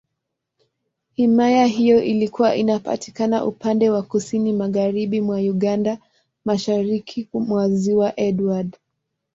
Himaya hiyo ilikuwa inapatikana upande wa Kusini Magharibi mwa Uganda, Mashariki mwa Ziwa Edward.